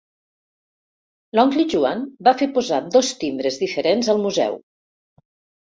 L'oncle Joan va fer posar dos timbres diferents al museu.